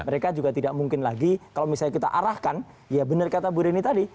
mereka juga tidak mungkin lagi kalau misalnya kita arahkan ya benar kata bu reni tadi